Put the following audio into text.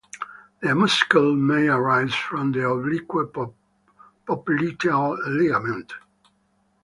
The muscle may arise from the oblique popliteal ligament.